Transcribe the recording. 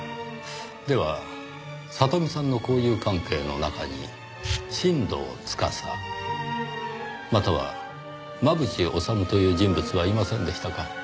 では聡美さんの交友関係の中に新堂司または真渕治という人物はいませんでしたか？